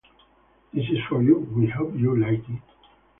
This is for you - we hope you like it.